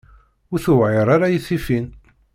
Ur tewɛiṛ ara i tifin.